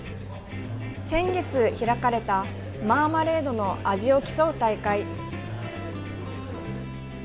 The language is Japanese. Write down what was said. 先月開かれたマーマレードの味を競う大会。